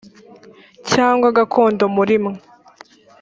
cyangwa gakondo muri mwe